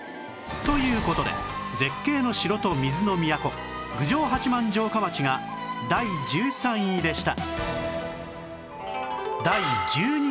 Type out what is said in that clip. という事で絶景の城と水の都郡上八幡城下町が第１３位でした